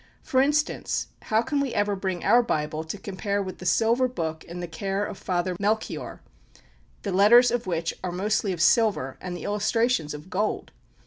For instance, how can we ever bring our Bible to compare with the Silver Book in the care of Father Melchoir, the letters of which are mostly of silver, and the illustrations of gold?